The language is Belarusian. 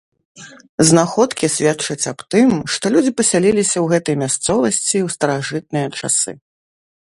Знаходкі сведчаць аб тым, што людзі пасяліліся ў гэтай мясцовасці ў старажытныя часы.